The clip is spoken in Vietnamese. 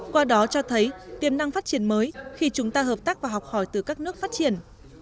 qua đó cho thấy tiềm năng phát triển mới khi chúng ta hợp tác và học hỏi từ các nước phát triển